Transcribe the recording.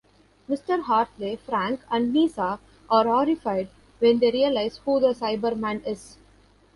Mr Hartley, Frank and Nyssa are horrified when they realise who the Cyberman is.